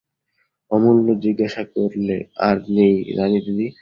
অমূল্য জিজ্ঞাসা করলে, আর নেই রানীদিদি?